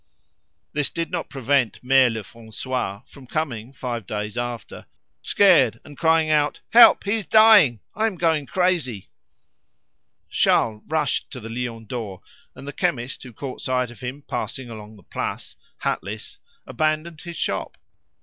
'" This did not prevent Mere Lefrancois, from coming five days after, scared, and crying out "Help! he is dying! I am going crazy!" Charles rushed to the "Lion d'Or," and the chemist, who caught sight of him passing along the Place hatless, abandoned his shop.